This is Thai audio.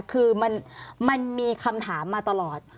คือมันมีคำถามมาตลอด